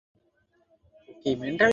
তার ছেলের মৃত্যু তার দেখা উচিৎ।